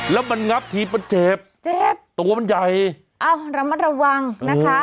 แล้วมันงับทีมันเจ็บเจ็บตัวมันใหญ่อ้าวระมัดระวังนะคะ